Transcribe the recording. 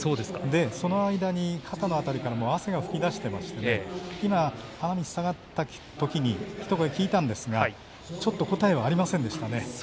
その間に、肩の辺りから汗が吹き出していまして今、花道を下がったときに一声、聞いたんですがちょっと答えはありませんでしたね。